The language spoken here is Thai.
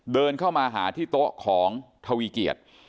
เดินเข้ามาหาที่โต๊ะของทวีเกียจ